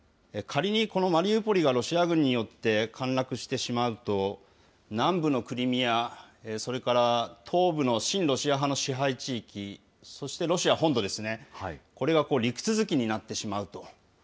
仮にこのマリウポリがロシア軍によって陥落してしまうと、南部のクリミア、それから東部の親ロシア派の支配地域、そしてロシア本土ですね、これが陸続きになってしまうと。